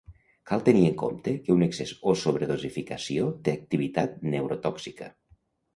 Cal tenir en compte que un excés o sobredosificació té activitat neurotòxica.